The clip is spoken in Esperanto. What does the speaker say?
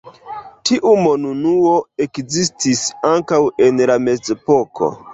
Tiu monunuo ekzistis ankaŭ en la Mezepoko.